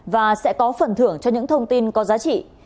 và sẽ có phần thưởng cho những thông tin có giá trị